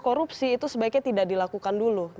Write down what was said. korupsi itu sebaiknya tidak dilakukan dulu